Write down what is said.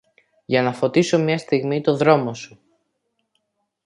Για να φωτίσω μια στιγμή το δρόμο σου